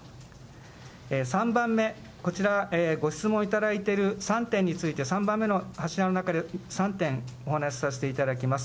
３番目、こちら、ご質問いただいている３点について、３番目の柱の中で３点お話しさせていただきます。